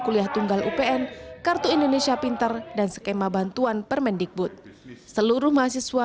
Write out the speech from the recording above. kuliah tunggal upn kartu indonesia pinter dan skema bantuan permen dikut seluruh mahasiswa